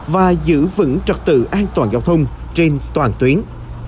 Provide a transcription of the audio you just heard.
và giữ vững trật tự an toàn giao thông trên toàn tuyến